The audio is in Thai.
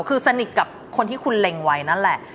คือสนิทกับคนที่คุณเล็งไว้นั่นแหละ